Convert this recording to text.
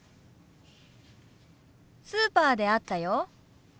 スーパーで会ったよ。